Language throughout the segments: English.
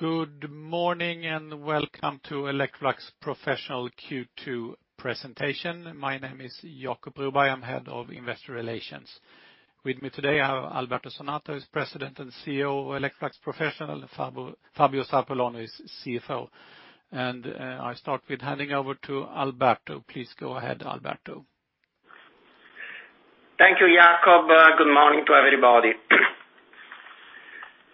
Good morning and welcome to Electrolux Professional Q2 presentation. My name is Jacob Broberg, I'm Head of Investor Relations. With me today I have Alberto Zanata, who's President and CEO of Electrolux Professional, and Fabio Zarpellon, who's CFO. I'll start with handing over to Alberto. Please go ahead, Alberto. Thank you, Jacob. Good morning to everybody.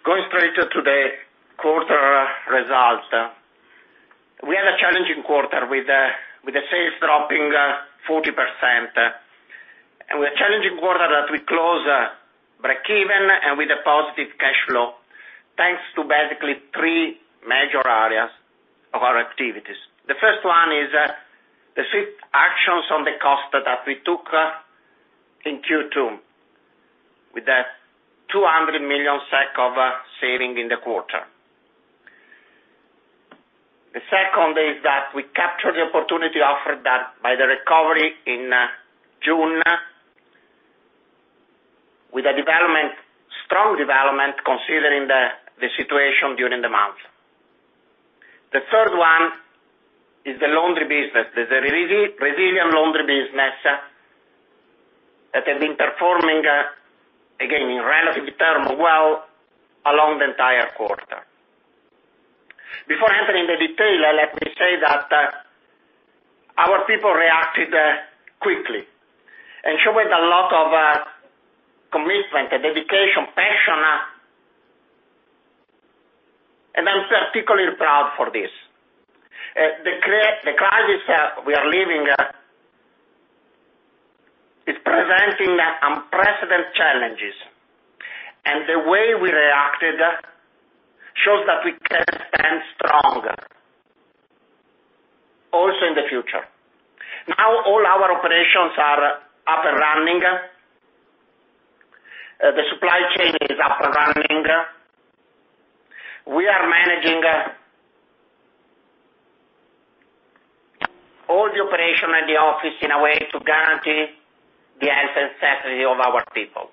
Going straight to today's quarter result. We had a challenging quarter with sales dropping 40%. We had a challenging quarter that we closed break-even and with a positive cash flow, thanks to basically three major areas of our activities. The first one is the swift actions on the cost that we took in Q2, with that 200 million of saving in the quarter. The second is that we captured the opportunity offered by the recovery in June, with a strong development considering the situation during the month. The third one is the Laundry business, the resilient Laundry business that had been performing, again, in relative terms, well along the entire quarter. Before entering the detail, let me say that our people reacted quickly and showed a lot of commitment and dedication, passion, and I'm particularly proud for this. The crisis we are living is presenting unprecedented challenges, and the way we reacted shows that we can stand strong also in the future. Now all our operations are up and running. The supply chain is up and running. We are managing all the operations in the office in a way to guarantee the health and safety of our people.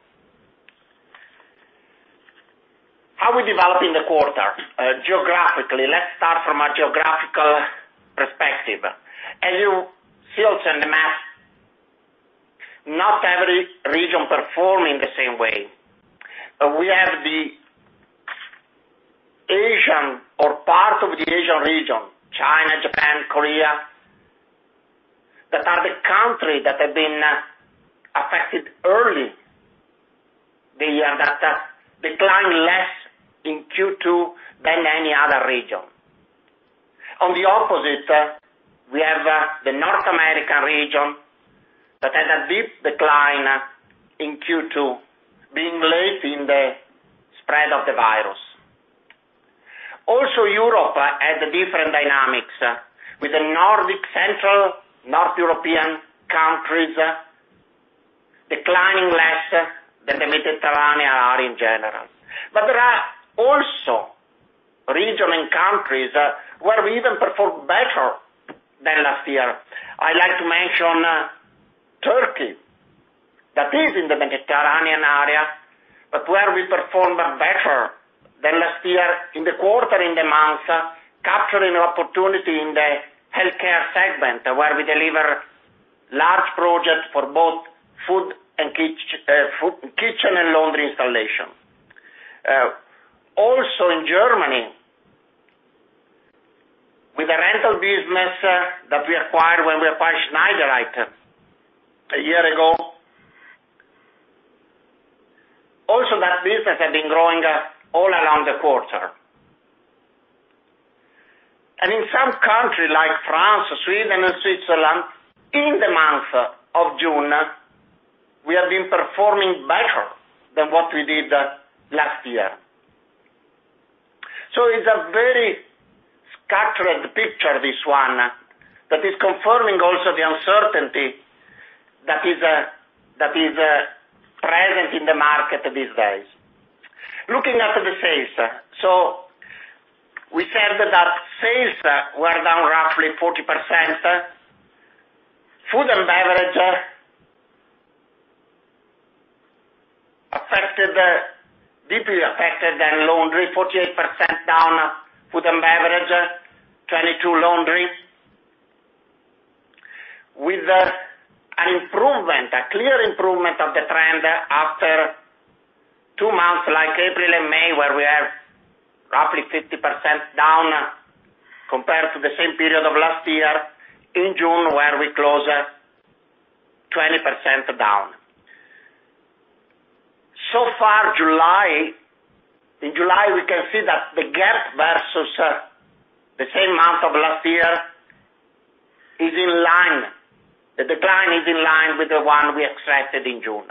How are we developing the quarter geographically? Let's start from a geographical perspective. As you see also in the map, not every region is performing the same way. We have the Asian, or part of the Asian region, China, Japan, Korea, that are the countries that have been affected early, that declined less in Q2 than any other region. On the opposite, we have the North American region that had a deep decline in Q2, being late in the spread of the virus. Also, Europe had different dynamics, with the Nordic Central, North European countries declining less than the Mediterranean area in general. There are also regions and countries where we even performed better than last year. I'd like to mention Turkey, that is in the Mediterranean area, but where we performed better than last year in the quarter, in the month, capturing an opportunity in the healthcare segment, where we deliver large projects for both Food and kitchen and Laundry installation. Also, in Germany, with the rental business that we acquired when we acquired Schneidereit a year ago, also that business had been growing all along the quarter. In some countries like France, Sweden, and Switzerland, in the month of June, we have been performing better than what we did last year. It is a very scattered picture, this one, that is confirming also the uncertainty that is present in the market these days. Looking at the sales, we said that sales were down roughly 40%. Food & Beverage affected deeply, affected than Laundry, 48% down. Food & Beverage, 22% Laundry, with an improvement, a clear improvement of the trend after two months like April and May, where we have roughly 50% down compared to the same period of last year, in June, where we closed 20% down. So far, July, in July, we can see that the gap versus the same month of last year is in line. The decline is in line with the one we expected in June.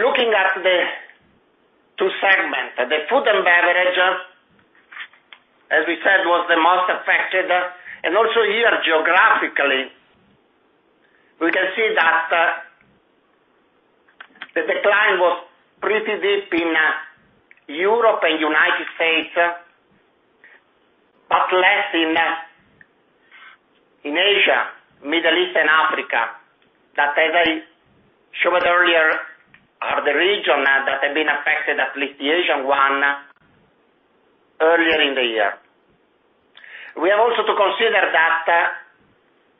Looking at the two segments, the Food & Beverage, as we said, was the most affected. Also here, geographically, we can see that the decline was pretty deep in Europe and the United States, but less in Asia, the Middle East, and Africa, that, as I showed earlier, are the regions that have been affected, at least the Asian one, earlier in the year. We have also to consider that,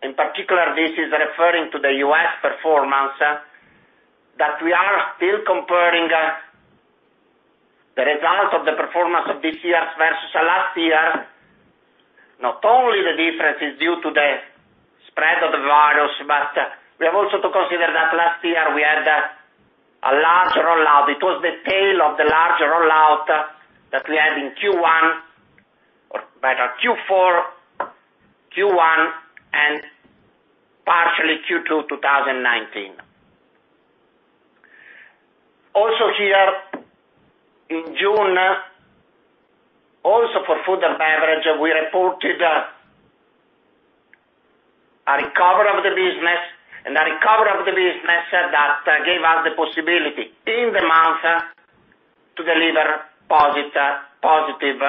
in particular, this is referring to the U.S. performance, that we are still comparing the result of the performance of this year versus last year. Not only the difference is due to the spread of the virus, but we have also to consider that last year we had a large rollout. It was the tail of the large rollout that we had in Q1, or rather Q4, Q1, and partially Q2 2019. Also here, in June, Food & Beverage, we reported a recovery of the business, and a recovery of the business that gave us the possibility in the month to deliver positive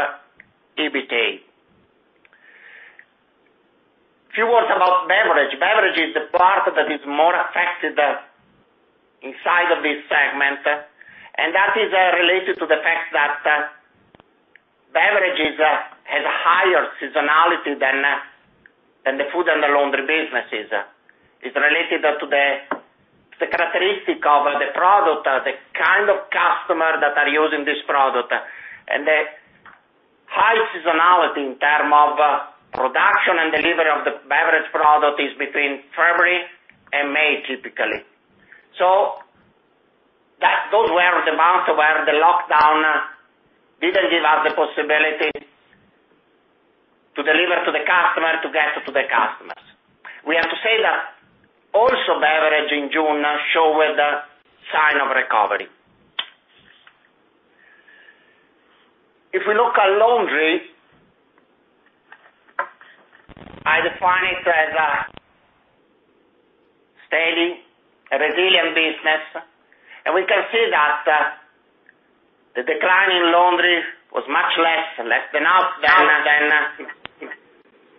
EBITDA. Few words about Beverage. Beverage is the part that is more affected inside of this segment, and that is related to the fact that beverages have a higher seasonality than the Food and the Laundry businesses. It's related to the characteristic of the product, the kind of customers that are using this product, and the high seasonality in terms of production and delivery of the beverage product is between February and May, typically. Those were the months where the lockdown didn't give us the possibility to deliver to the customers, to get to the customers. We have to say that also Beverage in June showed signs of recovery. If we look at Laundry, I define it as a steady, resilient business, and we can see that the decline in Laundry was much less. The less than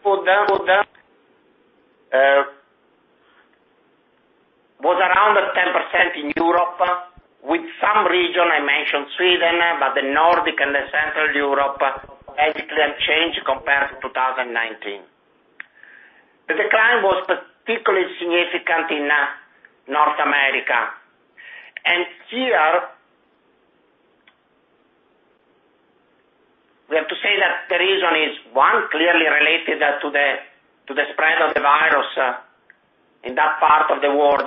Food was around 10% in Europe, with some region I mentioned, Sweden, but the Nordic and the Central Europe basically unchanged compared to 2019. The decline was particularly significant in North America. Here, we have to say that the reason is, one, clearly related to the spread of the virus in that part of the world,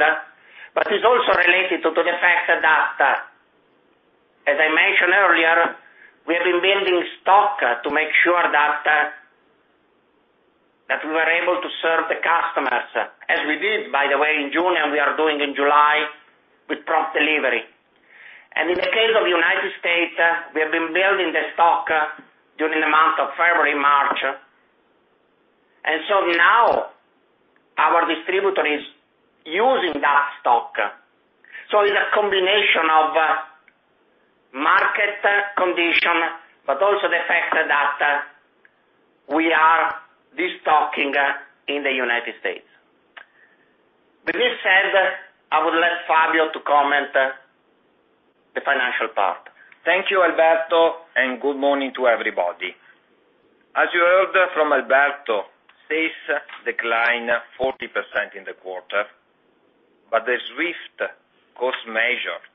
but it is also related to the fact that, as I mentioned earlier, we have been building stock to make sure that we were able to serve the customers, as we did, by the way, in June, and we are doing in July with prompt delivery. In the case of the United States, we have been building the stock during the month of February and March. Our distributor is using that stock. It is a combination of market condition, but also the fact that we are destocking in the United States. With this said, I would like Fabio to comment on the financial part. Thank you, Alberto, and good morning to everybody. As you heard from Alberto, sales declined 40% in the quarter, but the swift cost measures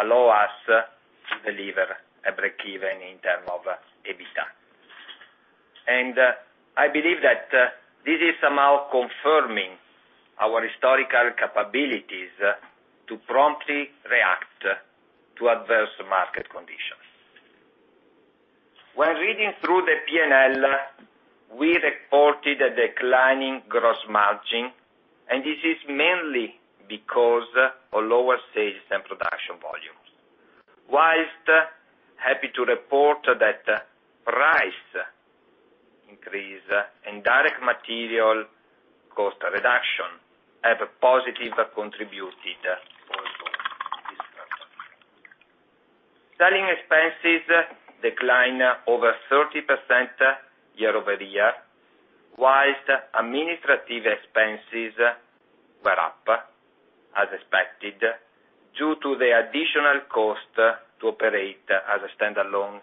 allow us to deliver a break-even in terms of EBITDA. I believe that this is somehow confirming our historical capabilities to promptly react to adverse market conditions. When reading through the P&L, we reported a declining gross margin, and this is mainly because of lower sales and production volumes. Whilst happy to report that price increase and direct material cost reduction have positively contributed also to this curve. Selling expenses declined over 30% year-over-year, whilst administrative expenses were up, as expected, due to the additional cost to operate as a standalone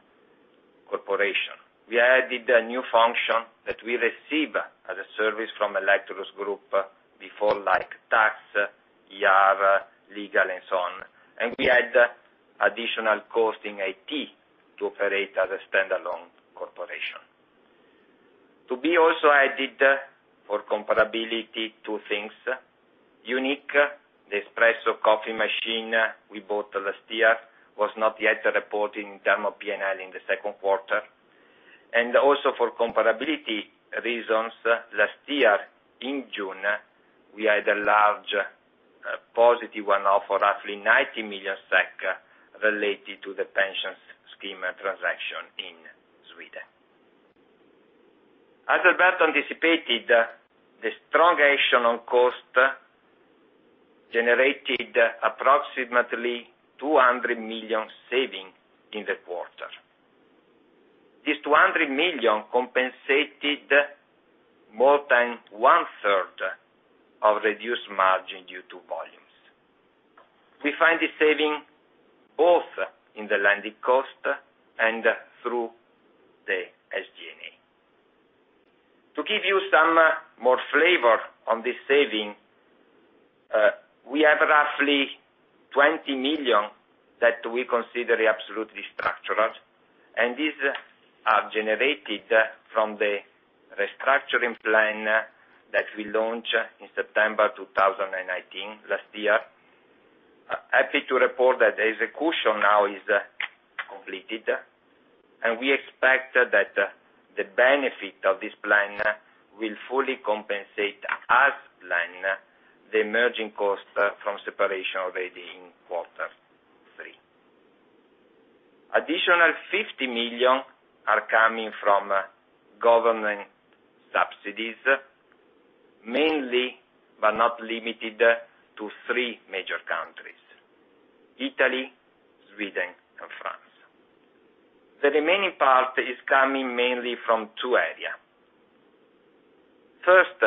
corporation. We added a new function that we receive as a service from Electrolux Group before, like tax, IR, legal, and so on, and we add additional cost in IT to operate as a standalone corporation. To be also added for comparability to things UNIC, the espresso coffee machine we bought last year was not yet reported in terms of P&L in the second quarter. Also for comparability reasons, last year in June, we had a large positive one of roughly 90 million SEK related to the pension scheme transaction in Sweden. As Alberto anticipated, the strong action on cost generated approximately 200 million savings in the quarter. This 200 million compensated more than 1/3 of reduced margin due to volumes. We find the saving both in the landing cost and through the SG&A. To give you some more flavor on the saving, we have roughly 20 million that we consider absolutely structured, and these are generated from the restructuring plan that we launched in September 2019 last year. Happy to report that the execution now is completed, and we expect that the benefit of this plan will fully compensate as planned the emerging cost from separation already in quarter three. Additional 50 million are coming from government subsidies, mainly, but not limited to three major countries: Italy, Sweden, and France. The remaining part is coming mainly from two areas. First,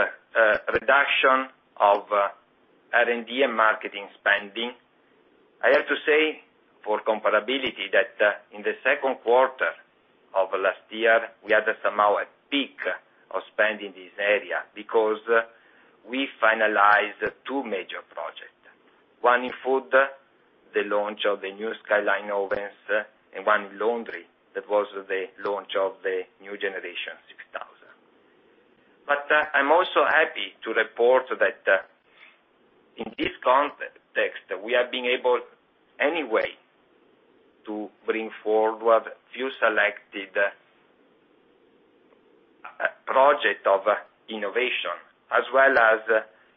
reduction of R&D and marketing spending. I have to say for comparability that in the second quarter of last year, we had somehow a peak of spending in this area because we finalized two major projects: one in Food, the launch of the new SkyLine ovens, and one in Laundry that was the launch of the new Generation 6000. I'm also happy to report that in this context, we have been able anyway to bring forward a few selected projects of innovation, as well as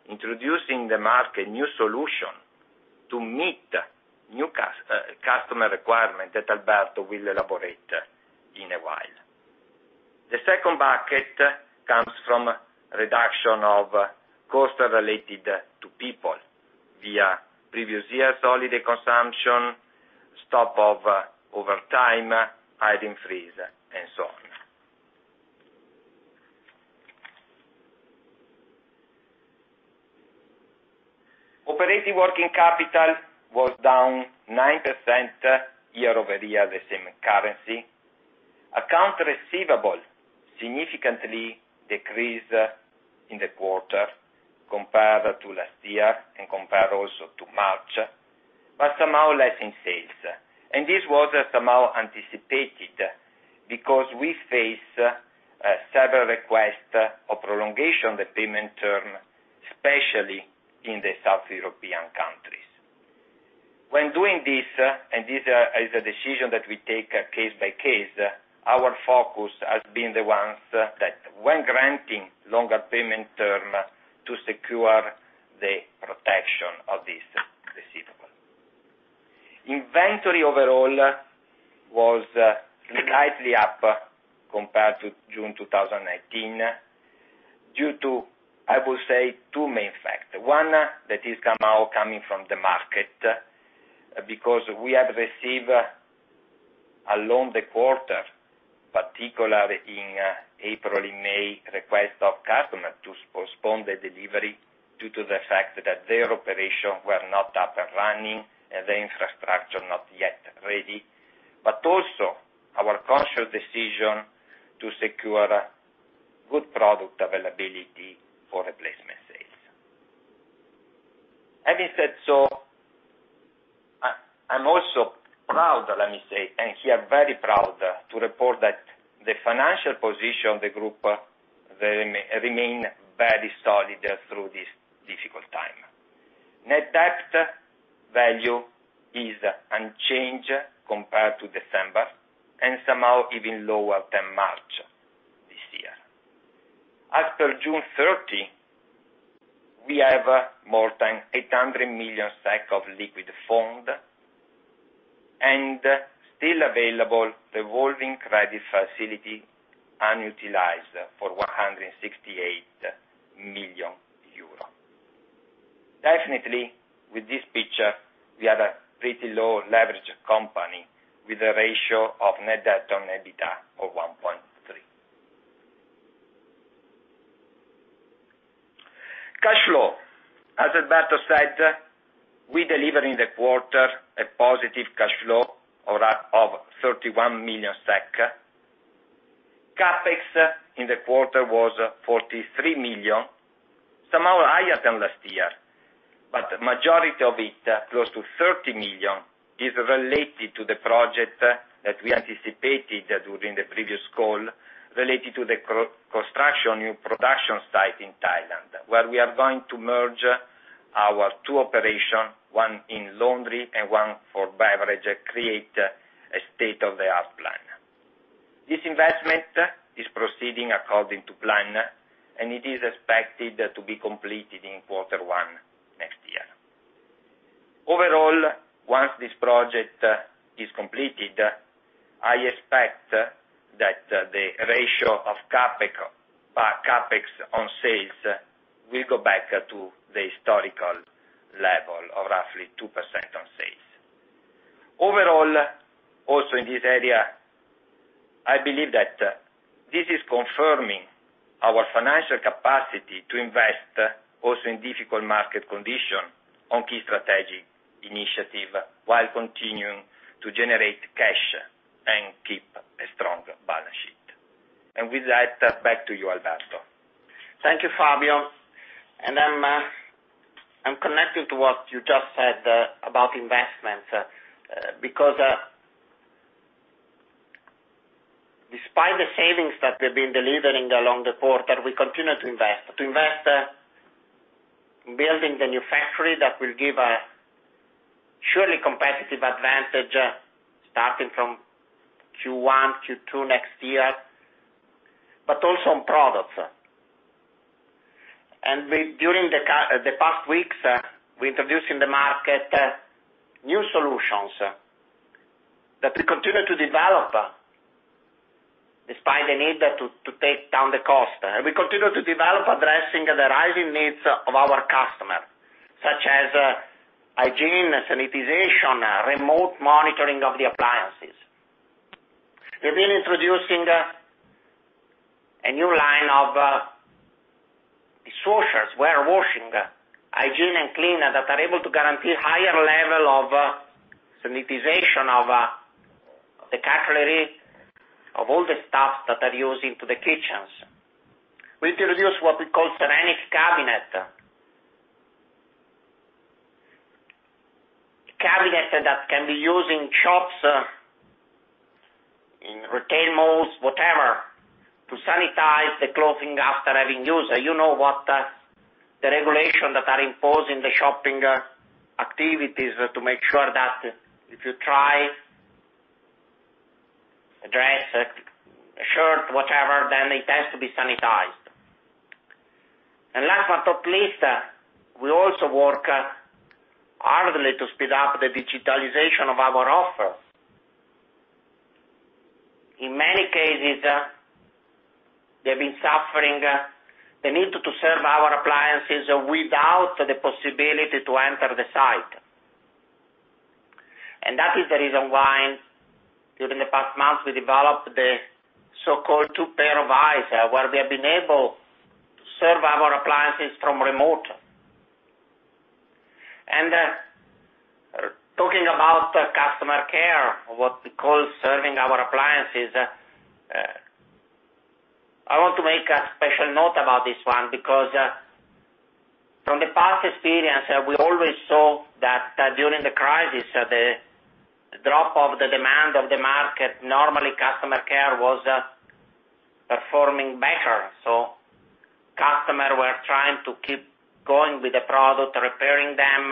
introducing the market new solution to meet new customer requirements that Alberto will elaborate in a while. The second bucket comes from reduction of cost related to people via previous year's holiday consumption, stop of overtime, hiring freeze, and so on. Operating working capital was down 9% year-over-year in the same currency. Account receivable significantly decreased in the quarter compared to last year and compared also to March, but somehow less in sales. This was somehow anticipated because we faced several requests of prolongation of the payment term, especially in the South European countries. When doing this, and this is a decision that we take case by case, our focus has been the ones that when granting longer payment term to secure the protection of these receivables. Inventory overall was slightly up compared to June 2019 due to, I will say, two main facts. One that is somehow coming from the market because we have received along the quarter, particularly in April and May, requests of customers to postpone the delivery due to the fact that their operations were not up and running and the infrastructure not yet ready, but also our conscious decision to secure good product availability for replacement sales. Having said so, I'm also proud, let me say, and here very proud to report that the financial position of the group remained very solid through this difficult time. Net debt value is unchanged compared to December and somehow even lower than March this year. As per June 30, we have more than 800 million of liquid fund and still available revolving credit facility unutilized for EUR 168 million. Definitely, with this picture, we have a pretty low leverage company with a ratio of net debt on EBITDA of 1.3x. Cash flow. As Alberto said, we delivered in the quarter a positive cash flow of 31 million SEK. CapEx in the quarter was 43 million, somehow higher than last year, but the majority of it, close to 30 million, is related to the project that we anticipated during the previous call related to the construction of a new production site in Thailand, where we are going to merge our two operations, one in Laundry and one for Beverage, create a state-of-the-art plant. This investment is proceeding according to plan, and it is expected to be completed in quarter one next year. Overall, once this project is completed, I expect that the ratio of CapEx on sales will go back to the historical level of roughly 2% on sales. Overall, also in this area, I believe that this is confirming our financial capacity to invest also in difficult market conditions on key strategic initiatives while continuing to generate cash and keep a strong balance sheet. With that, back to you, Alberto. Thank you, Fabio. I am connected to what you just said about investments because despite the savings that we've been delivering along the quarter, we continue to invest. To invest in building the new factory that will give a surely competitive advantage starting from Q1, Q2 next year, but also on products. During the past weeks, we introduced in the market new solutions that we continue to develop despite the need to take down the cost. We continue to develop addressing the rising needs of our customers, such as hygiene, sanitization, remote monitoring of the appliances. We've been introducing a new line of dishwashers, warewashing, hygiene, and cleaner that are able to guarantee a higher level of sanitization of the cutlery, of all the stuff that are used into the kitchens. We introduced what we call ceramic cabinet, a cabinet that can be used in shops, in retail malls, whatever, to sanitize the clothing after having used. You know what the regulations that are imposed in the shopping activities to make sure that if you try a dress, a shirt, whatever, then it has to be sanitized. Last but not least, we also work hard to speed up the digitalization of our offer. In many cases, they've been suffering the need to serve our appliances without the possibility to enter the site. That is the reason why during the past month, we developed the so-called Two Pairs of Eyes where we have been able to serve our appliances from remote. Talking about customer care, what we call serving our appliances, I want to make a special note about this one because from the past experience, we always saw that during the crisis, the drop of the demand of the market, normally customer care was performing better. Customers were trying to keep going with the product, repairing them,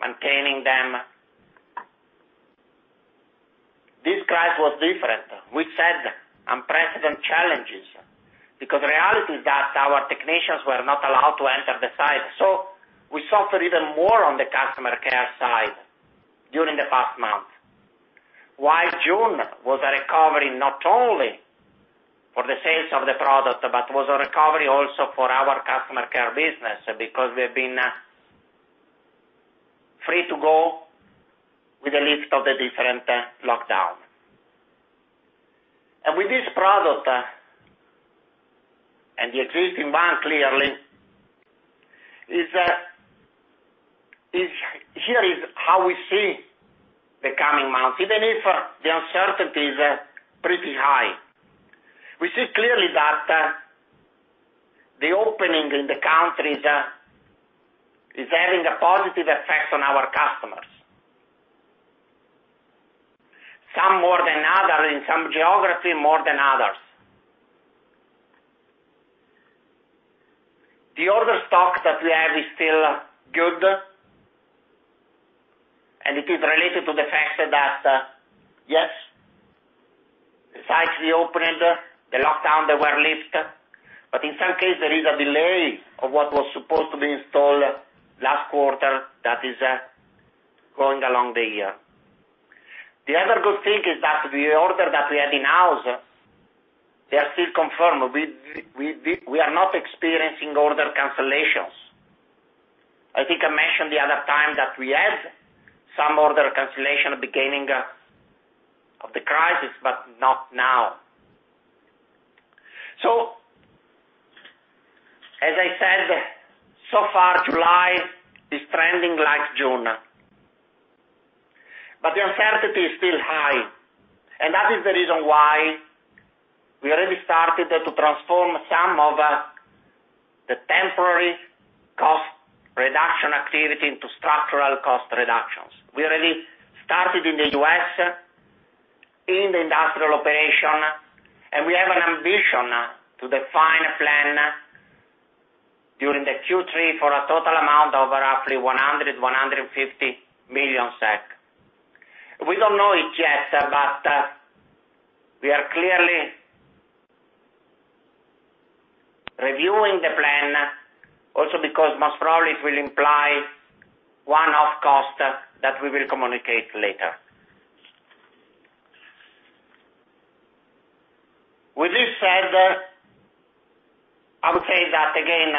maintaining them. This crisis was different. We said unprecedented challenges because the reality is that our technicians were not allowed to enter the site. We suffered even more on the customer care side during the past month, while June was a recovery not only for the sales of the product, but was a recovery also for our customer care business because we have been free to go with the lift of the different lockdown. With this product and the existing one, clearly, here is how we see the coming months, even if the uncertainty is pretty high. We see clearly that the opening in the countries is having a positive effect on our customers, some more than others in some geographies, more than others. The order stock that we have is still good, and it is related to the fact that, yes, the sites reopened, the lockdowns were lifted, but in some cases, there is a delay of what was supposed to be installed last quarter that is going along the year. The other good thing is that the order that we had in-house, they are still confirmed. We are not experiencing order cancellations. I think I mentioned the other time that we had some order cancellation beginning of the crisis, but not now. As I said, so far, July is trending like June, but the uncertainty is still high. That is the reason why we already started to transform some of the temporary cost reduction activity into structural cost reductions. We already started in the U.S. in the industrial operation, and we have an ambition to define a plan during the Q3 for a total amount of roughly 100 million-150 million SEK. We do not know it yet, but we are clearly reviewing the plan also because most probably it will imply one-off cost that we will communicate later. With this said, I would say that again,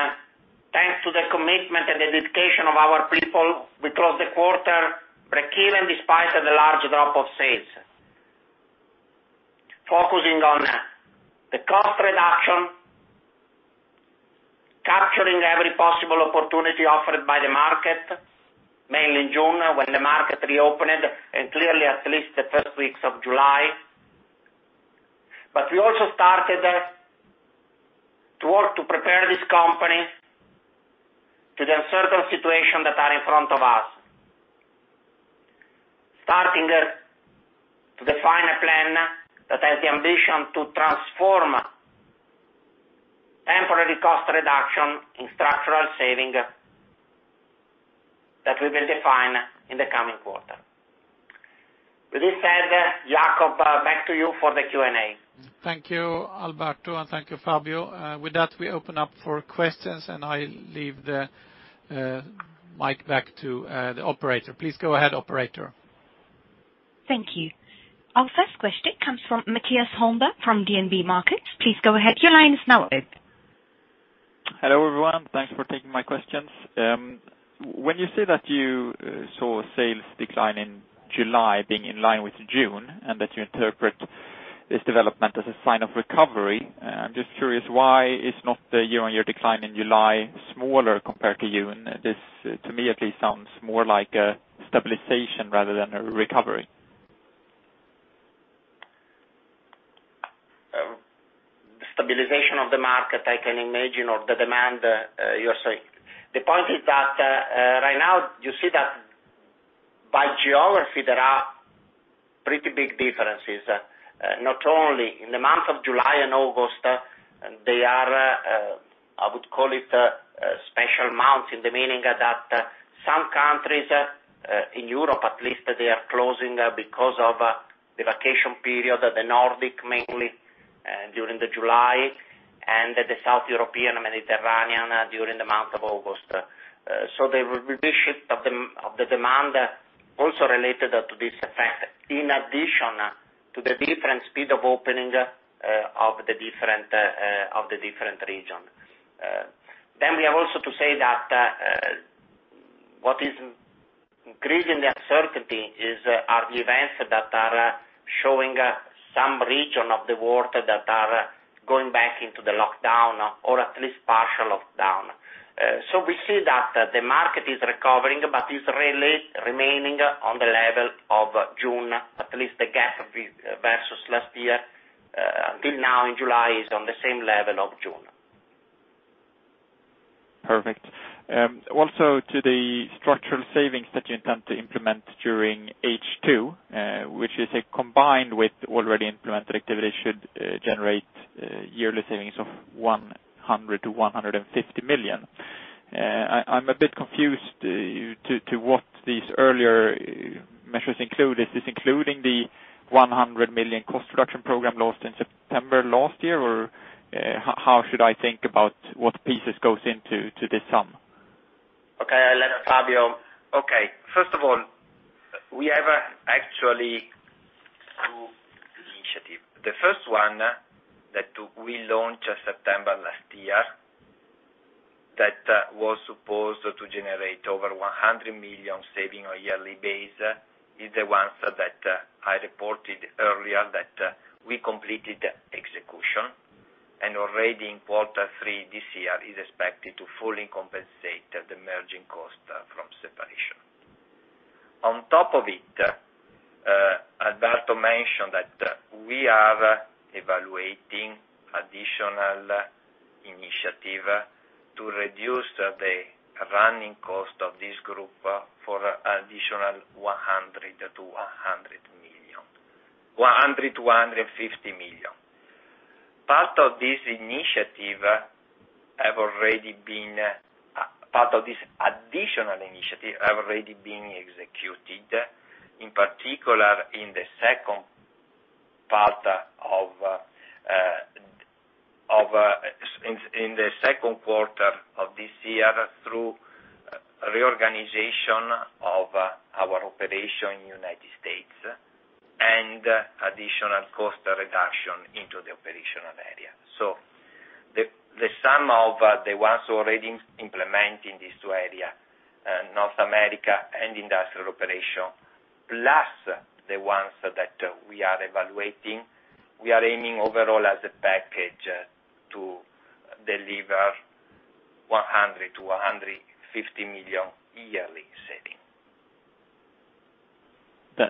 thanks to the commitment and dedication of our people, we closed the quarter breakeven despite the large drop of sales, focusing on the cost reduction, capturing every possible opportunity offered by the market, mainly in June when the market reopened and clearly at least the first weeks of July. We also started to work to prepare this company to the uncertain situation that is in front of us, starting to define a plan that has the ambition to transform temporary cost reduction in structural saving that we will define in the coming quarter. With this said, Jacob, back to you for the Q&A. Thank you, Alberto, and thank you, Fabio. With that, we open up for questions, and I leave the mic back to the operator. Please go ahead, operator. Thank you. Our first question comes from Mattias Holmberg from DNB Markets. Please go ahead. Your line is now open. Hello, everyone. Thanks for taking my questions. When you say that you saw sales decline in July being in line with June and that you interpret this development as a sign of recovery, I'm just curious, why is not the year-on-year decline in July smaller compared to June? This, to me at least, sounds more like a stabilization rather than a recovery. The stabilization of the market, I can imagine, or the demand, you're saying. The point is that right now, you see that by geography, there are pretty big differences, not only in the month of July and August. They are, I would call it, special months in the meaning that some countries in Europe, at least, they are closing because of the vacation period, the Nordic mainly during July and the South European and Mediterranean during the month of August. The relationship of the demand also related to this effect in addition to the different speed of opening of the different regions. We have also to say that what is increasing the uncertainty are the events that are showing some region of the world that are going back into the lockdown or at least partial lockdown. We see that the market is recovering but is really remaining on the level of June, at least the gap versus last year. Until now, in July, it's on the same level of June. Perfect. Also, to the structural savings that you intend to implement during H2, which you say combined with already implemented activity should generate yearly savings of 100 million-150 million. I'm a bit confused to what these earlier measures include. Is this including the 100 million cost reduction program launched in September last year, or how should I think about what pieces go into this sum? Okay, I'll let Fabio. Okay. First of all, we have actually two initiatives. The first one that we launched September last year that was supposed to generate over 100 million saving on a yearly base is the one that I reported earlier that we completed execution, and already in quarter three this year is expected to fully compensate the merging cost from separation. On top of it, Alberto mentioned that we are evaluating additional initiative to reduce the running cost of this group for an additional 100 million-150 million. Part of this initiative has already been part of this additional initiative has already been executed, in particular in the second quarter of this year through reorganization of our operation in the United States and additional cost reduction into the operational area. The sum of the ones already implemented in these two areas, North America and industrial operation, plus the ones that we are evaluating, we are aiming overall as a package to deliver SEK 100 million-SEK 150 million yearly saving.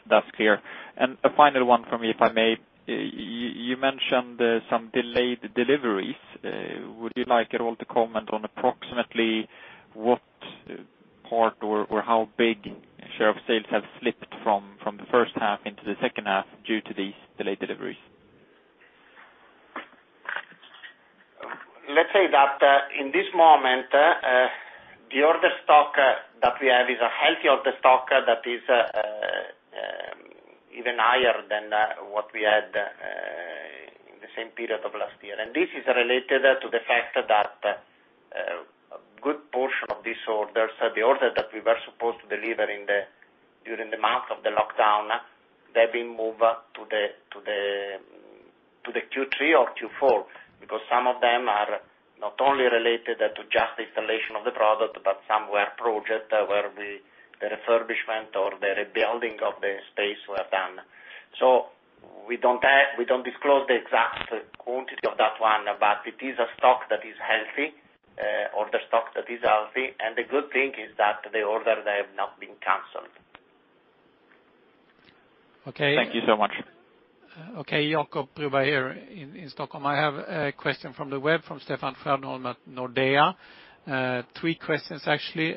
That's clear. A final one for me, if I may. You mentioned some delayed deliveries. Would you like at all to comment on approximately what part or how big share of sales have slipped from the first half into the second half due to these delayed deliveries? Let's say that in this moment, the order stock that we have is a healthy order stock that is even higher than what we had in the same period of last year. This is related to the fact that a good portion of these orders, the orders that we were supposed to deliver during the month of the lockdown, have been moved to the Q3 or Q4 because some of them are not only related to just installation of the product, but some were projects where the refurbishment or the rebuilding of the space were done. We do not disclose the exact quantity of that one, but it is a stock that is healthy, order stock that is healthy. The good thing is that the orders have not been canceled. Okay. Thank you so much. Okay, Jacob Broberg here in Stockholm. I have a question from the web from Stefan Stjernholm at Nordea. Three questions, actually.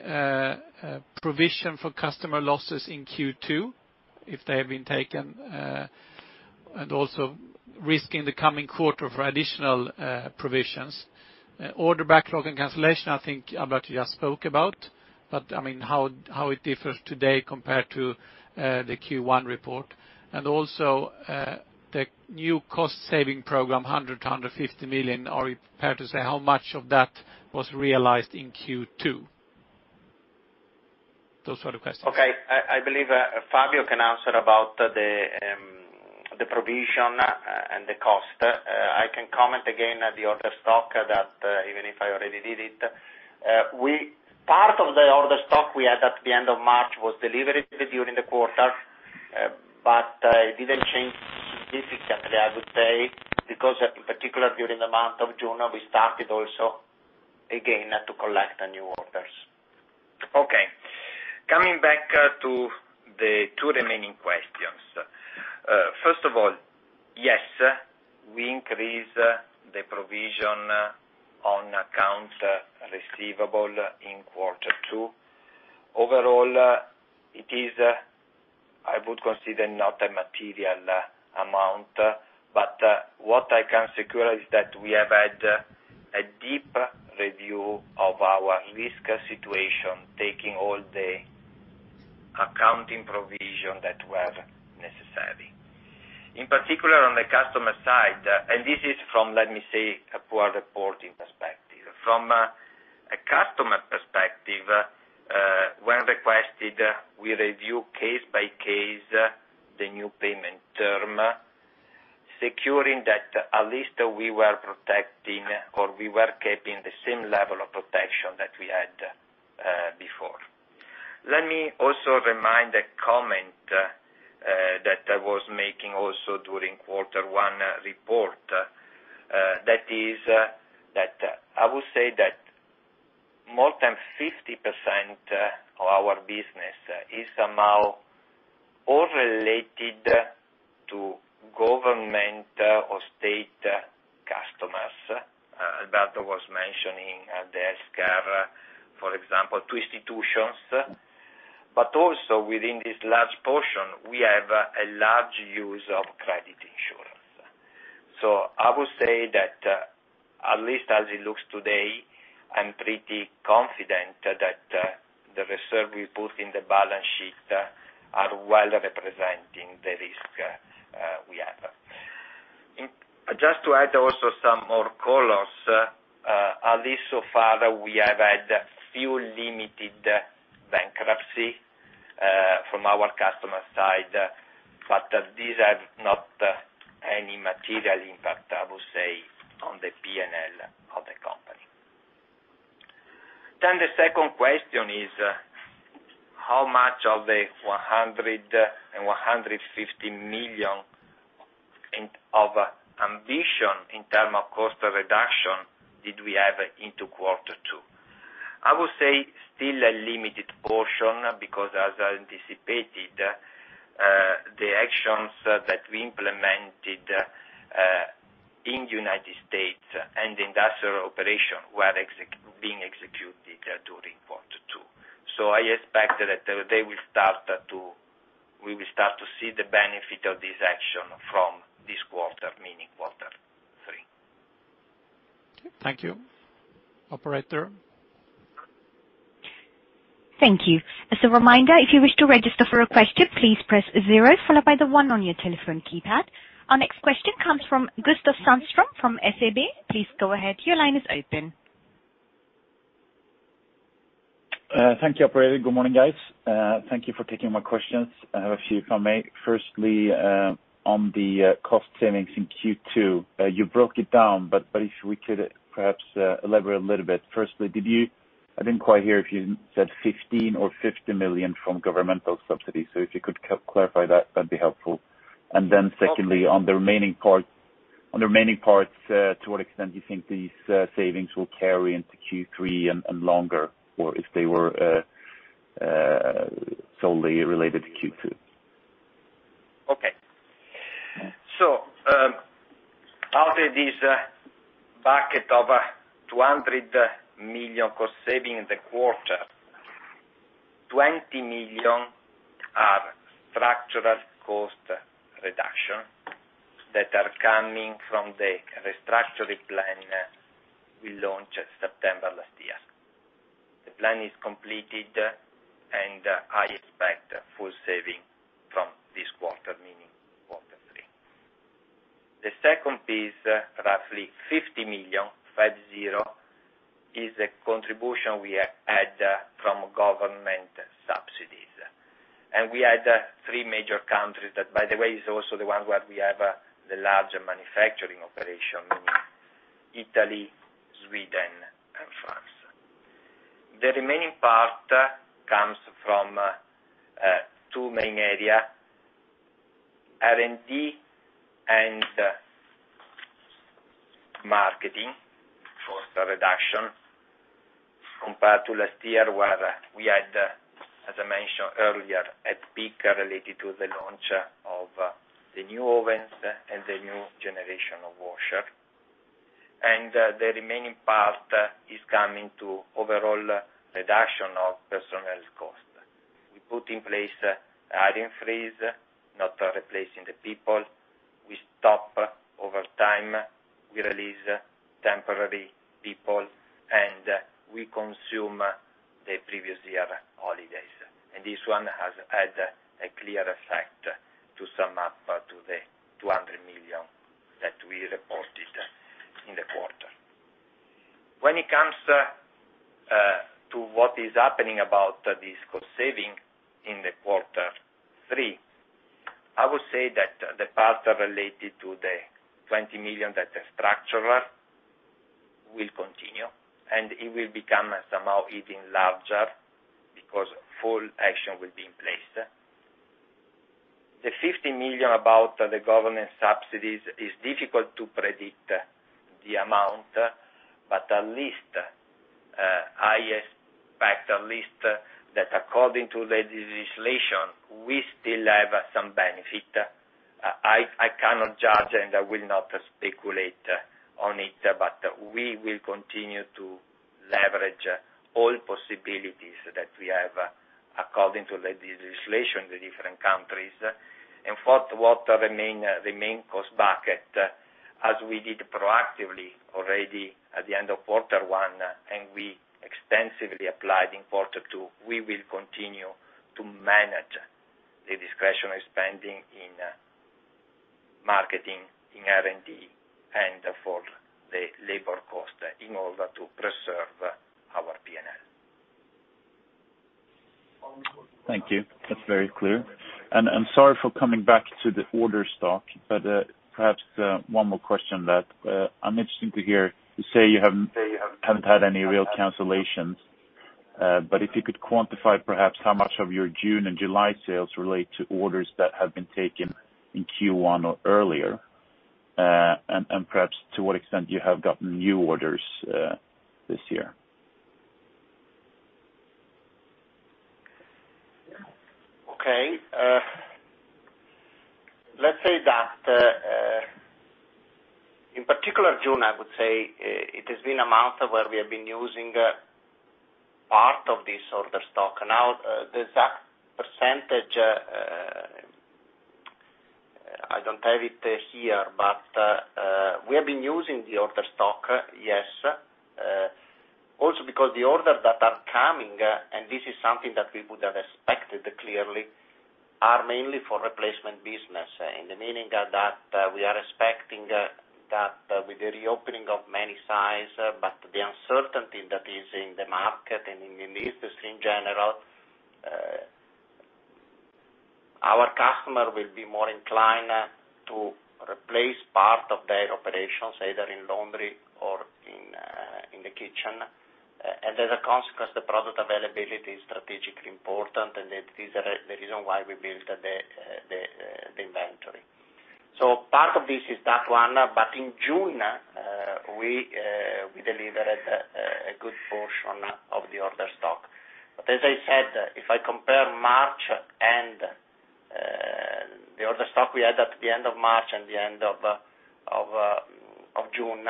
Provision for customer losses in Q2, if they have been taken, and also risk in the coming quarter for additional provisions. Order backlog and cancellation, I think Alberto just spoke about, but I mean how it differs today compared to the Q1 report. Also the new cost saving program, 100 million-150 million, are you prepared to say how much of that was realized in Q2? Those were the questions. Okay. I believe Fabio can answer about the provision and the cost. I can comment again on the order stock that even if I already did it. Part of the order stock we had at the end of March was delivered during the quarter, but it did not change significantly, I would say, because in particular during the month of June, we started also again to collect the new orders. Okay. Coming back to the two remaining questions. First of all, yes, we increased the provision on accounts receivable in quarter two. Overall, it is, I would consider, not a material amount, but what I can secure is that we have had a deep review of our risk situation, taking all the accounting provisions that were necessary. In particular, on the customer side, and this is from, let me say, a pure reporting perspective. From a customer perspective, when requested, we review case by case the new payment term, securing that at least we were protecting or we were keeping the same level of protection that we had before. Let me also remind a comment that I was making also during quarter one report, that is that I would say that more than 50% of our business is somehow all related to government or state customers. Alberto was mentioning the healthcare, for example, two institutions. Also within this large portion, we have a large use of credit insurance. I would say that at least as it looks today, I'm pretty confident that the reserve we put in the balance sheet are well representing the risk we have. Just to add also some more colors, at least so far, we have had few limited bankruptcy from our customer side, but these have not any material impact, I would say, on the P&L of the company. The second question is how much of the 100 million-150 million of ambition in terms of cost reduction did we have into quarter two. I would say still a limited portion because, as I anticipated, the actions that we implemented in the United States and the industrial operation were being executed during quarter two. I expect that we will start to see the benefit of this action from this quarter, meaning quarter three. Thank you. Operator. Thank you. As a reminder, if you wish to register for a question, please press zero followed by the one on your telephone keypad. Our next question comes from Gustav Sandström from SEB. Please go ahead. Your line is open. Thank you, Operator. Good morning, guys. Thank you for taking my questions. I have a few if I may. Firstly, on the cost savings in Q2, you broke it down, but if we could perhaps elaborate a little bit. Firstly, I did not quite hear if you said 15 million or 50 million from governmental subsidies. If you could clarify that, that would be helpful. Secondly, on the remaining parts, to what extent do you think these savings will carry into Q3 and longer, or if they were solely related to Q2? Out of this bucket of 200 million cost saving in the quarter, 20 million are structural cost reduction that are coming from the restructuring plan we launched September last year. The plan is completed, and I expect full saving from this quarter, meaning quarter three. The second piece, roughly 50 million, five, zero, is a contribution we had from government subsidies. We had three major countries that, by the way, are also the ones where we have the larger manufacturing operation, meaning Italy, Sweden, and France. The remaining part comes from two main areas, R&D and marketing cost reduction compared to last year where we had, as I mentioned earlier, a peak related to the launch of the new ovens and the new generation of washer. The remaining part is coming to overall reduction of personnel cost. We put in place iron freeze, not replacing the people. We stop over time. We release temporary people, and we consume the previous year holidays. This one has had a clear effect to sum up to the 200 million that we reported in the quarter. When it comes to what is happening about this cost saving in quarter three, I would say that the part related to the 20 million that are structural will continue, and it will become somehow even larger because full action will be in place. The 50 million about the government subsidies is difficult to predict the amount, but at least I expect at least that according to the legislation, we still have some benefit. I cannot judge, and I will not speculate on it, but we will continue to leverage all possibilities that we have according to the legislation in the different countries. For what remains cost bucket, as we did proactively already at the end of quarter one and we extensively applied in quarter two, we will continue to manage the discretionary spending in marketing, in R&D, and for the labor cost in order to preserve our P&L. Thank you. That is very clear. I am sorry for coming back to the order stock, but perhaps one more question on that. I am interested to hear you say you have not had any real cancellations, but if you could quantify perhaps how much of your June and July sales relate to orders that have been taken in Q1 or earlier, and perhaps to what extent you have gotten new orders this year. Okay. Let's say that in particular June, I would say it has been a month where we have been using part of this order stock. Now, the exact percentage, I don't have it here, but we have been using the order stock, yes. Also because the orders that are coming, and this is something that we would have expected clearly, are mainly for replacement business, in the meaning that we are expecting that with the reopening of many sites, but the uncertainty that is in the market and in the industry in general, our customer will be more inclined to replace part of their operations, either in Laundry or in the kitchen. As a consequence, the product availability is strategically important, and that is the reason why we built the inventory. Part of this is that one, but in June, we delivered a good portion of the order stock. As I said, if I compare March and the order stock we had at the end of March and the end of June,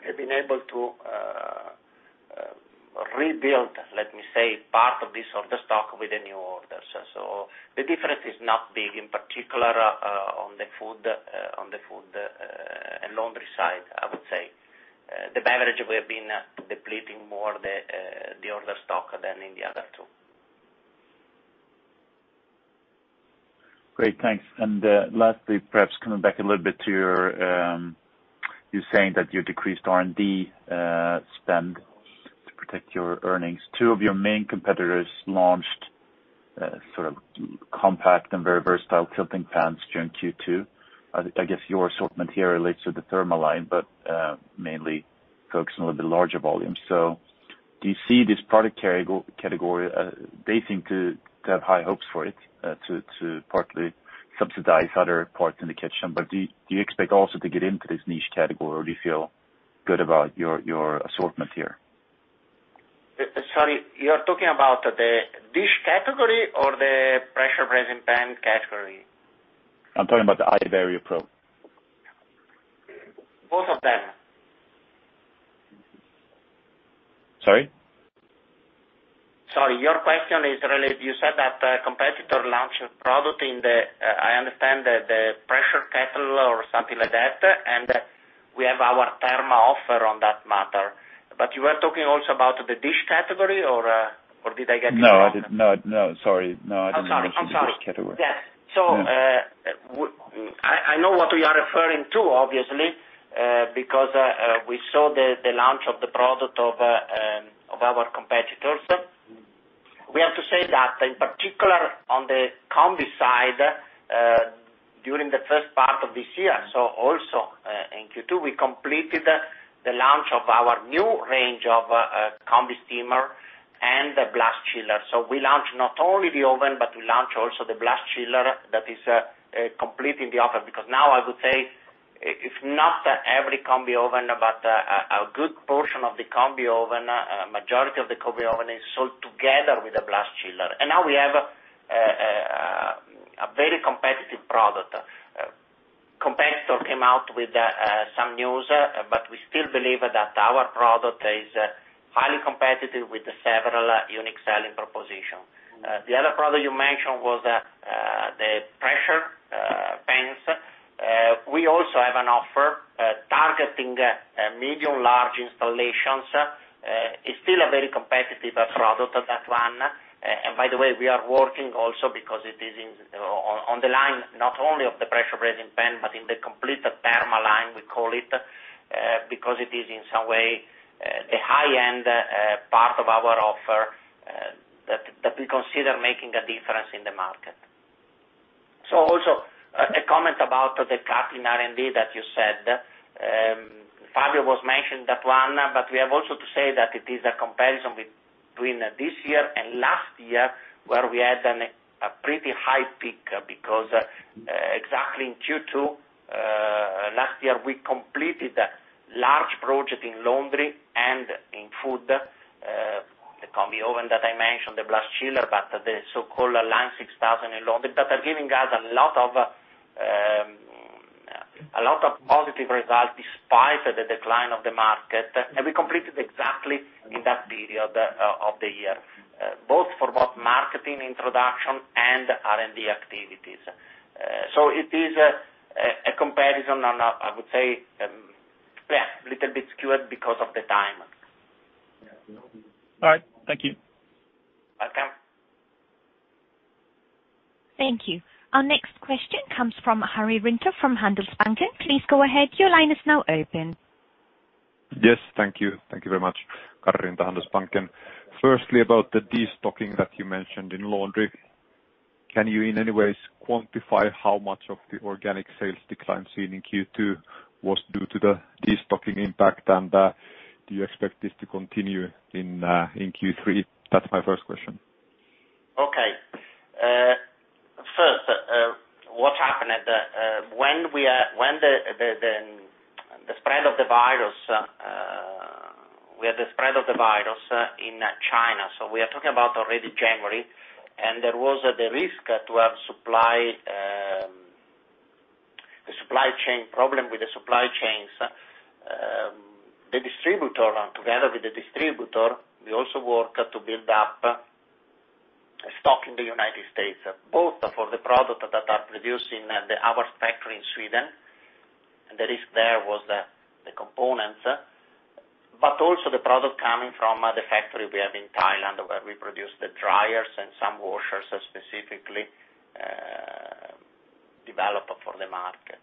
we have been able to rebuild, let me say, part of this order stock with the new orders. The difference is not big, in particular on the Food and Laundry side, I would say. The Beverage, we have been depleting more the order stock than in the other two. Great. Thanks. Lastly, perhaps coming back a little bit to your saying that you decreased R&D spend to protect your earnings. Two of your main competitors launched sort of compact and very versatile tilting pans during Q2. I guess your assortment here relates to the thermaline, but mainly focusing on a little bit larger volumes. Do you see this product category? They seem to have high hopes for it to partly subsidize other parts in the kitchen, but do you expect also to get into this niche category, or do you feel good about your assortment here? Sorry, you are talking about the dish category or the pressure braising pan category? I'm talking about the iVario Pro. Both of them? Sorry? Sorry. Your question is related. You said that a competitor launched a product in the I understand the pressure kettle or something like that, and we have our therma offer on that matter. But you were talking also about the dish category, or did I get you wrong? No, no, no. Sorry. No, I didn't mean the dish category. I'm sorry. Yes. I know what we are referring to, obviously, because we saw the launch of the product of our competitors. We have to say that in particular on the combi side during the first part of this year, also in Q2, we completed the launch of our new range of combi steamer and blast chiller. We launched not only the oven, but we launched also the blast chiller that is completing the offer. Because now I would say it's not every combi oven, but a good portion of the combi oven, a majority of the combi oven is sold together with the blast chiller. Now we have a very competitive product. A competitor came out with some news, but we still believe that our product is highly competitive with several unique selling propositions. The other product you mentioned was the pressure pans. We also have an offer targeting medium-large installations. It's still a very competitive product, that one. By the way, we are working also because it is on the line, not only of the pressure braising pan, but in the complete thermaline, we call it, because it is in some way the high-end part of our offer that we consider making a difference in the market. Also a comment about the cutting R&D that you said. Fabio was mentioning that one, but we have also to say that it is a comparison between this year and last year where we had a pretty high peak because exactly in Q2 last year, we completed a large project in Laundry and in Food, the combi oven that I mentioned, the blast chiller, but the so-called Line 6000 in Laundry that are giving us a lot of positive results despite the decline of the market. We completed exactly in that period of the year, both for both marketing introduction and R&D activities. It is a comparison on, I would say, yeah, a little bit skewed because of the time. All right. Thank you. Welcome. Thank you. Our next question comes from Karri Rinta from Handelsbanken. Please go ahead. Your line is now open. Yes. Thank you. Thank you very much, Karri Rinta, Handelsbanken. Firstly, about the destocking that you mentioned in Laundry, can you in any ways quantify how much of the organic sales decline seen in Q2 was due to the destocking impact, and do you expect this to continue in Q3? That's my first question. Okay. First, what happened? When the spread of the virus, we had the spread of the virus in China. We are talking about already January, and there was the risk to have supply chain problem with the supply chains. The distributor, together with the distributor, we also worked to build up stock in the United States, both for the product that are produced in our factory in Sweden. The risk there was the components, but also the product coming from the factory we have in Thailand where we produce the dryers and some washers specifically developed for the market.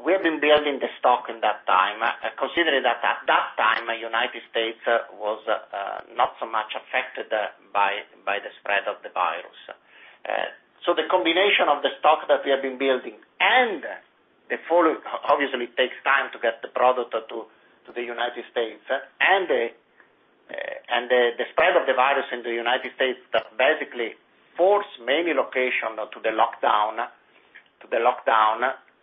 We have been building the stock in that time, considering that at that time, the United States was not so much affected by the spread of the virus. The combination of the stock that we have been building and the following, obviously, it takes time to get the product to the United States, and the spread of the virus in the United States that basically forced many locations to the lockdown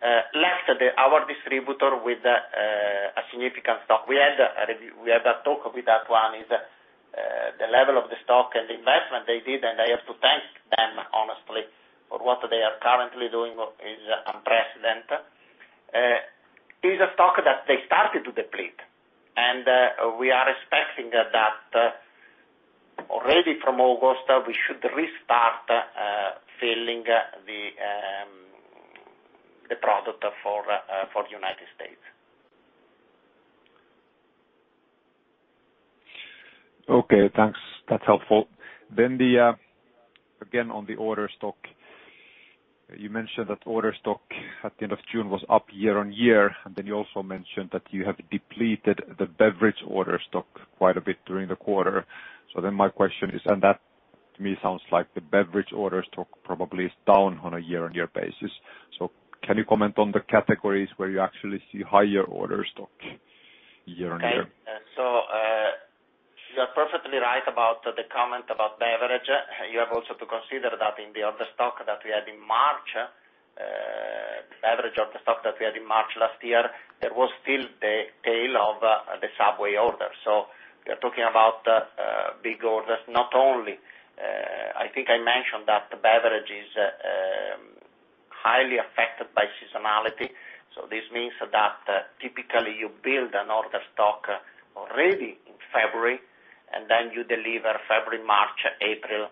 left our distributor with a significant stock. We had a talk with that one is the level of the stock and the investment they did, and I have to thank them honestly for what they are currently doing is unprecedented. It is a stock that they started to deplete, and we are expecting that already from August, we should restart filling the product for the United States. Okay. Thanks. That's helpful. Again, on the order stock, you mentioned that order stock at the end of June was up year-on-year, and you also mentioned that you have depleted the beverage order stock quite a bit during the quarter. My question is, and that to me sounds like the beverage order stock probably is down on a year-on-year basis. Can you comment on the categories where you actually see higher order stock year-on-year? Okay. You are perfectly right about the comment about Beverage. You also have to consider that in the order stock that we had in March, the beverage order stock that we had in March last year, there was still the tail of the Subway order. We are talking about big orders. Not only that, I think I mentioned that Beverage is highly affected by seasonality. This means that typically you build an order stock already in February, and then you deliver February, March, April,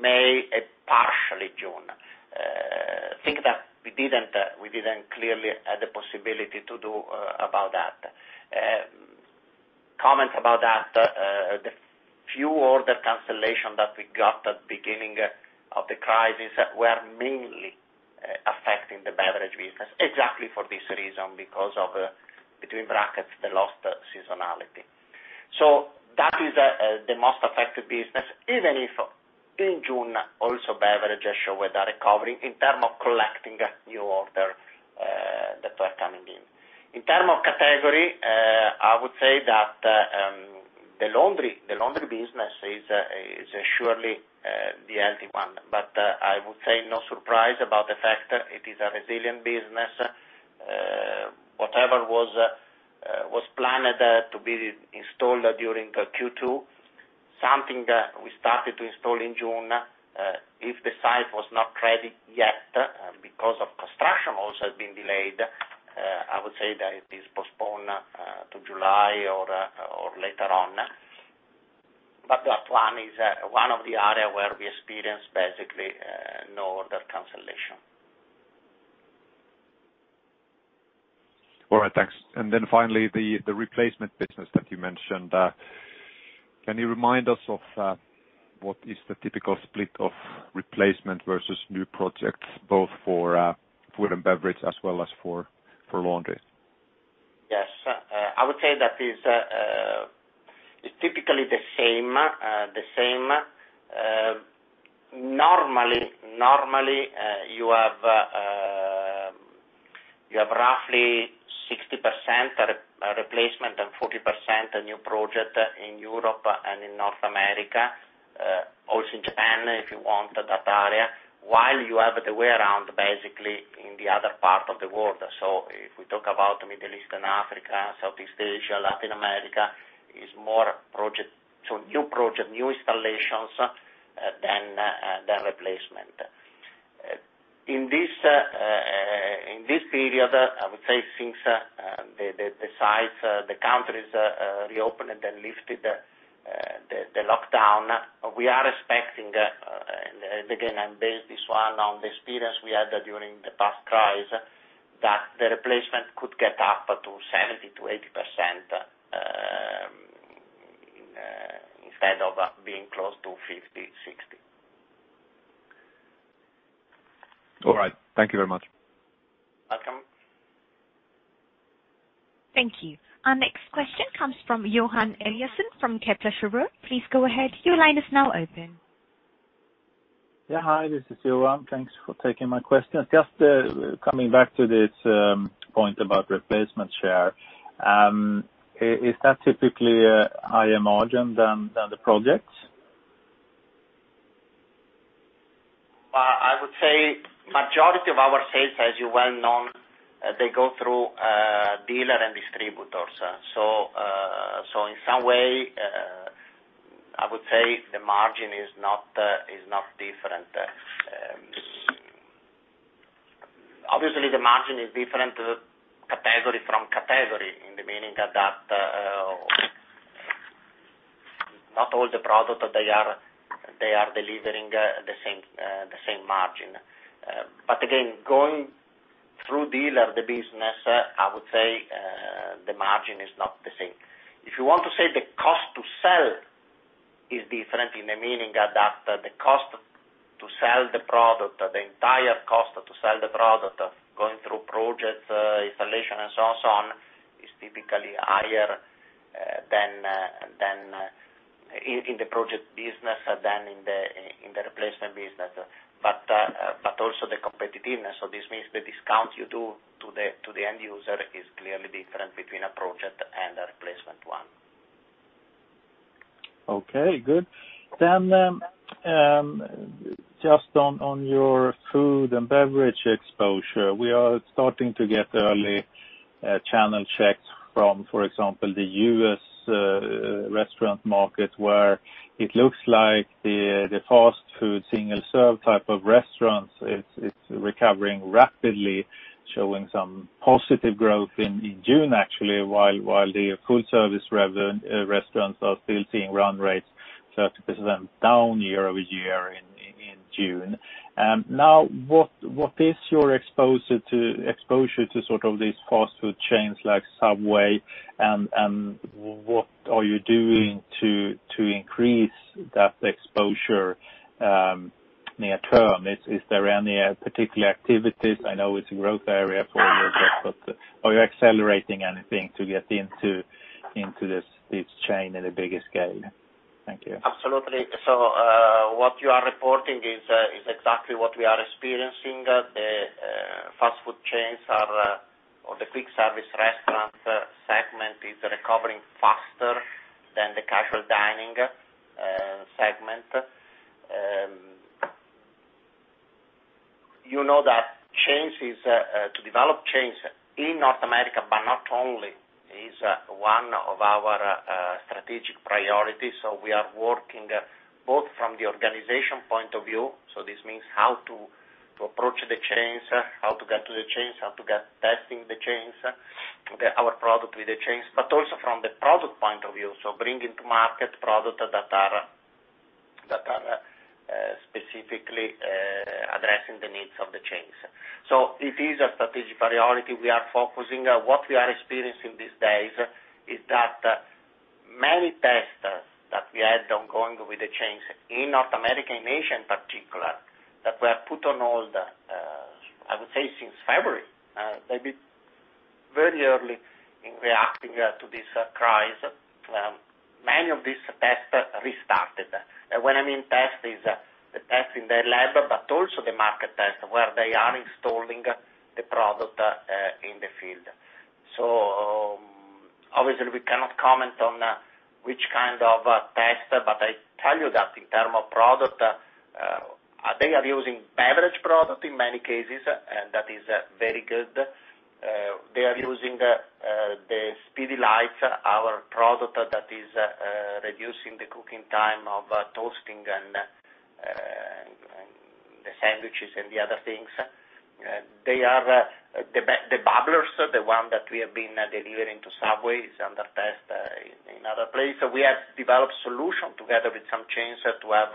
May, and partially June. I think that we did not clearly have the possibility to do that. Comment about that, the few order cancellations that we got at the beginning of the crisis were mainly affecting the Beverage business, exactly for this reason, because of, between brackets, the lost seasonality. That is the most affected business, even if in June also Beverage showed a recovery in terms of collecting new orders that were coming in. In terms of category, I would say that the Laundry business is surely the healthy one, but I would say no surprise about the fact it is a resilient business. Whatever was planned to be installed during Q2, something we started to install in June, if the site was not ready yet because of construction also had been delayed, I would say that it is postponed to July or later on. That one is one of the areas where we experienced basically no order cancellation. All right. Thanks. Finally, the replacement business that you mentioned, can you remind us of what is the typical split of replacement versus new projects, Food & Beverage as well as for Laundry? Yes. I would say that it's typically the same. Normally, you have roughly 60% replacement and 40% new project in Europe and in North America, also in Japan if you want that area, while you have the way around basically in the other part of the world. If we talk about the Middle East and Africa, Southeast Asia, Latin America, it's more project, so new project, new installations than replacement. In this period, I would say since the sites, the countries reopened and lifted the lockdown, we are expecting, and again, I base this one on the experience we had during the past crisis, that the replacement could get up to 70%-80% instead of being close to 50%-60%. All right. Thank you very much. Welcome. Thank you. Our next question comes from Johan Eliason from Kepler Cheuvreux. Please go ahead. Your line is now open. Yeah. Hi. This is Johan. Thanks for taking my question. Just coming back to this point about replacement share, is that typically a higher margin than the projects? I would say majority of our sales, as you well know, they go through dealer and distributors. In some way, I would say the margin is not different. Obviously, the margin is different category from category in the meaning that not all the product they are delivering the same margin. Again, going through dealer, the business, I would say the margin is not the same. If you want to say the cost to sell is different in the meaning that the cost to sell the product, the entire cost to sell the product going through project installation and so on, is typically higher in the project business than in the replacement business. Also the competitiveness, so this means the discount you do to the end user is clearly different between a project and a replacement one. Okay. Good. Just Food & Beverage exposure, we are starting to get early channel checks from, for example, the U.S. restaurant market where it looks like the fast food single-serve type of restaurants is recovering rapidly, showing some positive growth in June, actually, while the full-service restaurants are still seeing run rates 30% down year-over-year in June. Now, what is your exposure to sort of these fast food chains like Subway, and what are you doing to increase that exposure near term? Is there any particular activities? I know it's a growth area for you, but are you accelerating anything to get into this chain in a bigger scale? Thank you. Absolutely. What you are reporting is exactly what we are experiencing. The fast food chains or the quick-service restaurant segment is recovering faster than the casual dining segment. You know that to develop chains in North America, but not only, is one of our strategic priorities. We are working both from the organization point of view. This means how to approach the chains, how to get to the chains, how to get testing the chains, get our product with the chains, but also from the product point of view. Bringing to market products that are specifically addressing the needs of the chains is a strategic priority. We are focusing. What we are experiencing these days is that many testers that we had ongoing with the chains in North America and Asia in particular that were put on hold, I would say, since February, they've been very early in reacting to this crisis. Many of these tests restarted. When I mean tests, it's the tests in their lab, but also the market tests where they are installing the product in the field. Obviously, we cannot comment on which kind of test, but I tell you that in terms of product, they are using beverage product in many cases, and that is very good. They are using the SpeeDelight, our product that is reducing the cooking time of toasting and the sandwiches and the other things. The bubblers, the one that we have been delivering to Subway, is under test in other places. We have developed a solution together with some chains to have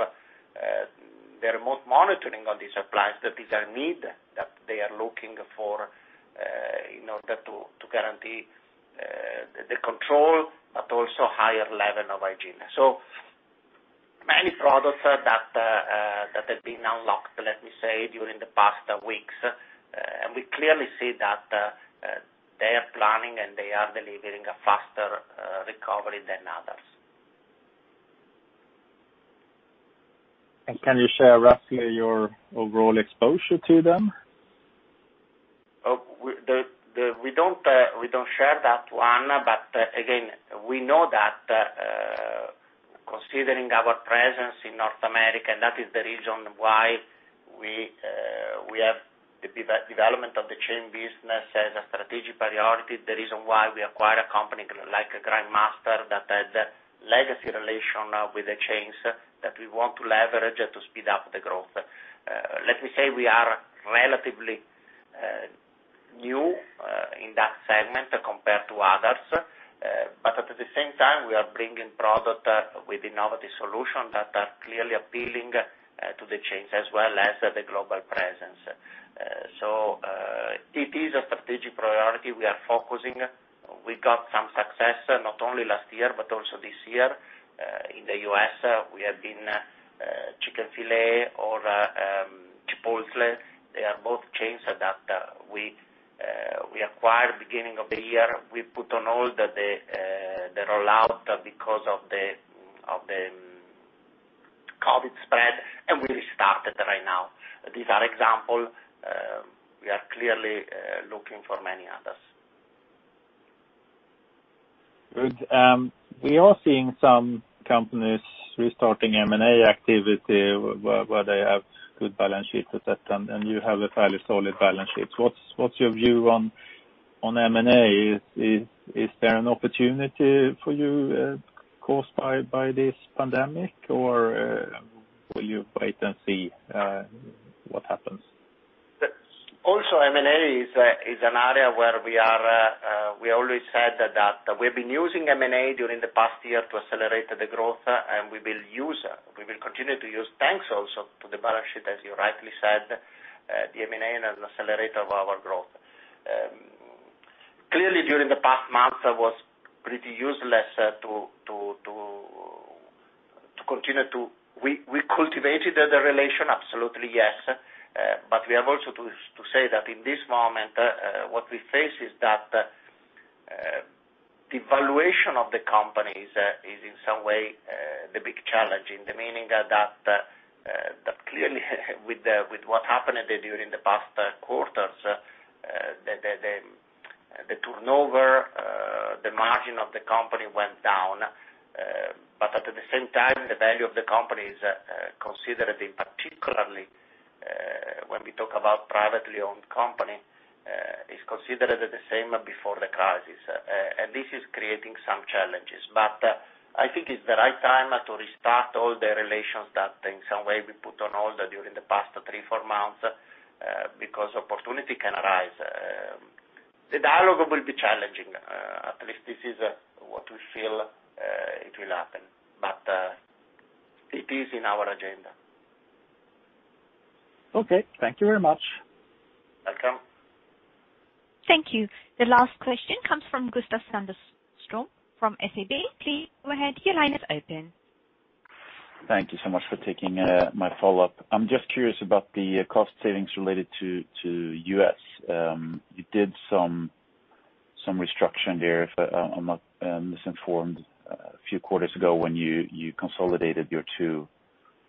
their remote monitoring on these appliances that are needed, that they are looking for in order to guarantee the control, but also higher level of hygiene. So many products that have been unlocked, let me say, during the past weeks, and we clearly see that they are planning and they are delivering a faster recovery than others. Can you share roughly your overall exposure to them? We do not share that one, but again, we know that considering our presence in North America, and that is the reason why we have the development of the chain business as a strategic priority, the reason why we acquired a company like Grindmaster that had legacy relation with the chains that we want to leverage to speed up the growth. Let me say we are relatively new in that segment compared to others, but at the same time, we are bringing product with innovative solutions that are clearly appealing to the chains as well as the global presence. It is a strategic priority we are focusing. We got some success not only last year but also this year. In the U.S., we have been Chick-fil-A or Chipotle. They are both chains that we acquired beginning of the year. We put on hold the rollout because of the COVID spread, and we restarted right now. These are examples. We are clearly looking for many others. Good. We are seeing some companies restarting M&A activity where they have good balance sheets, and you have a fairly solid balance sheet. What's your view on M&A? Is there an opportunity for you caused by this pandemic, or will you wait and see what happens? Also, M&A is an area where we always said that we have been using M&A during the past year to accelerate the growth, and we will continue to use, thanks also to the balance sheet, as you rightly said, the M&A and as an accelerator of our growth. Clearly, during the past month, it was pretty useless to continue to—we cultivated the relation, absolutely yes. We have also to say that in this moment, what we face is that the valuation of the company is in some way the big challenge in the meaning that clearly with what happened during the past quarters, the turnover, the margin of the company went down. At the same time, the value of the company is considered, particularly when we talk about privately owned company, is considered the same before the crisis. This is creating some challenges. I think it's the right time to restart all the relations that in some way we put on hold during the past three months, four months because opportunity can arise. The dialogue will be challenging. At least this is what we feel it will happen. It is in our agenda. Okay. Thank you very much. Welcome. Thank you. The last question comes from Gustav Sandström from SEB. Please go ahead. Your line is open. Thank you so much for taking my follow-up. I'm just curious about the cost savings related to U.S. You did some restructuring there, if I'm not misinformed, a few quarters ago when you consolidated your two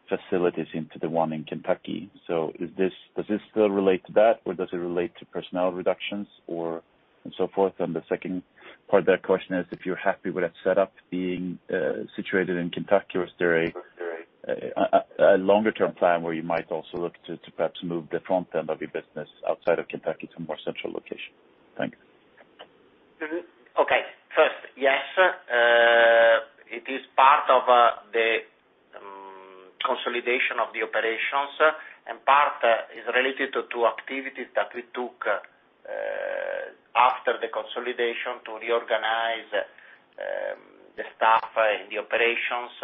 facilities into the one in Kentucky. Does this still relate to that, or does it relate to personnel reductions and so forth? The second part of that question is if you're happy with that setup being situated in Kentucky, or is there a longer-term plan where you might also look to perhaps move the front end of your business outside of Kentucky to a more central location? Thanks. Okay. First, yes. It is part of the consolidation of the operations, and part is related to two activities that we took after the consolidation to reorganize the staff and the operations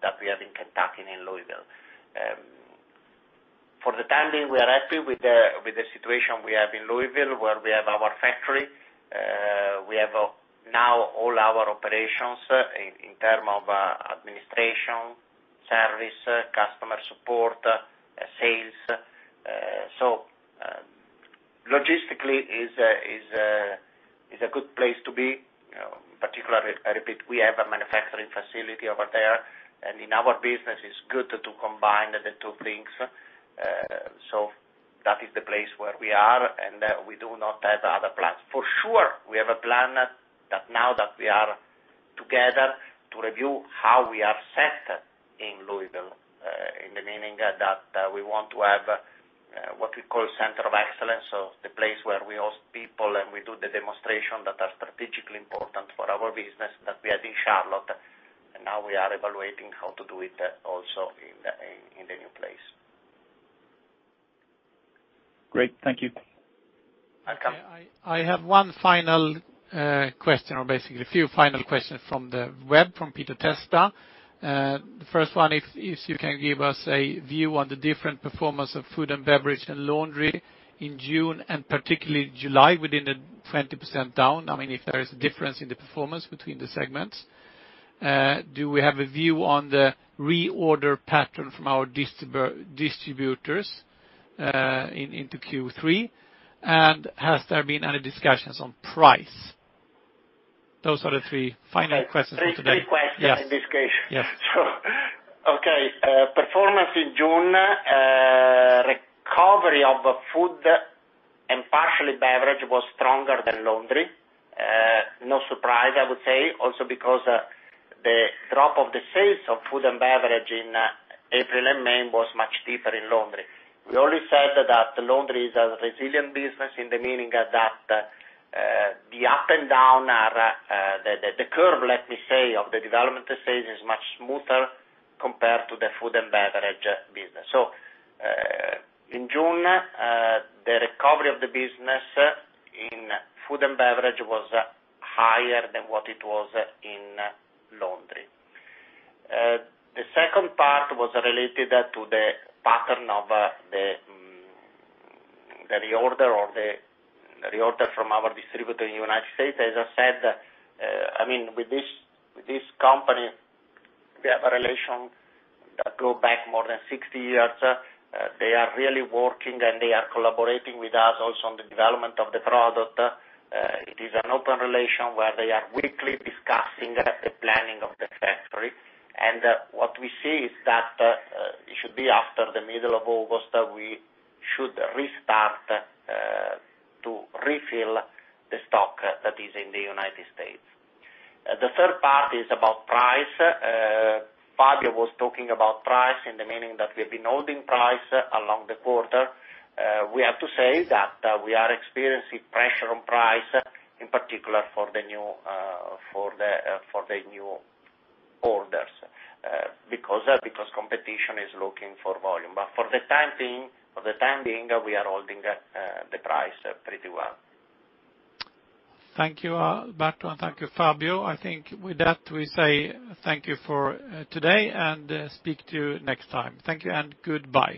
that we have in Kentucky and in Louisville. For the time being, we are happy with the situation we have in Louisville where we have our factory. We have now all our operations in terms of administration, service, customer support, sales. Logistically, it's a good place to be. Particularly, I repeat, we have a manufacturing facility over there, and in our business, it's good to combine the two things. That is the place where we are, and we do not have other plans. For sure, we have a plan now that we are together to review how we are set in Louisville in the meaning that we want to have what we call Center of Excellence, so the place where we host people and we do the demonstration that are strategically important for our business that we had in Charlotte. Now we are evaluating how to do it also in the new place. Great. Thank you. Welcome. I have one final question, or basically a few final questions from the web from Peter Testa. The first one is if you can give us a view on the different Food & Beverage and Laundry in June and particularly July within the 20% down. I mean, if there is a difference in the performance between the segments. Do we have a view on the reorder pattern from our distributors into Q3? And has there been any discussions on price? Those are the three final questions for today. Three questions in this case. Okay. Performance in June, recovery of Food and partially Beverage was stronger than Laundry. No surprise, I would say, also because the drop of the Food & Beverage in April and May was much deeper than Laundry. We always said that Laundry is a resilient business in the meaning that the up and down, the curve, let me say, of the development of sales is much smoother compared Food & Beverage business. In June, the recovery of the Food & Beverage was higher than what it was in Laundry. The second part was related to the pattern of the reorder or the reorder from our distributor in the United States. As I said, I mean, with this company, we have a relation that goes back more than 60 years. They are really working, and they are collaborating with us also on the development of the product. It is an open relation where they are weekly discussing the planning of the factory. What we see is that it should be after the middle of August that we should restart to refill the stock that is in the United States. The third part is about price. Fabio was talking about price in the meaning that we have been holding price along the quarter. We have to say that we are experiencing pressure on price, in particular for the new orders, because competition is looking for volume. For the time being, we are holding the price pretty well. Thank you, Alberto. Thank you, Fabio. I think with that, we say thank you for today and speak to you next time. Thank you and goodbye.